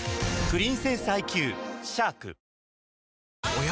おや？